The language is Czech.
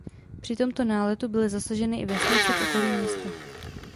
Při tomto náletu byly zasaženy i vesnice v okolí města.